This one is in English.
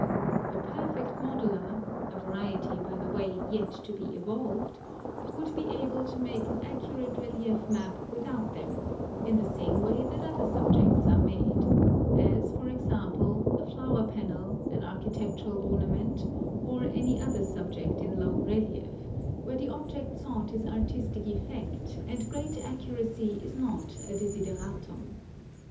The perfect modeler — a variety, by the way, yet to be evolved — would be able to make an accu rate relief map without them, in the same way that other subjects are made ; as, for example, a flower panel, an architectural orna ment, or any other subject in low relief, where the object sought is artistic effect and great accuracy is not a desideratum.